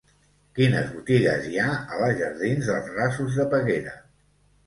Quines botigues hi ha a la jardins dels Rasos de Peguera?